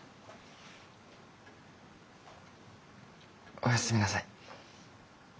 おやすみなさい。